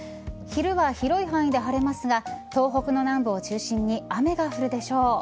昼は広い範囲で晴れますが東北の南部を中心に雨が降るでしょう。